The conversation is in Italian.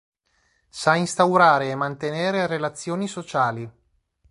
Sa instaurare e mantenere relazioni sociali.